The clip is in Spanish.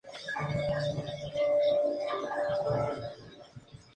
Actualmente es utilizado principalmente en partidos de fútbol y para competiciones de atletismo.